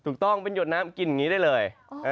ถูกต้องเป็นหดน้ำกินอย่างนี้ได้เลย